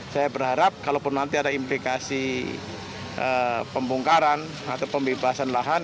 saya berharap kalaupun nanti ada implikasi pembongkaran atau pembebasan lahan